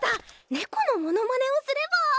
ネコのモノマネをすれば。